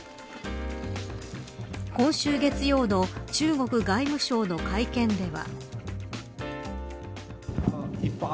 今週月曜の中国外務省の会見では。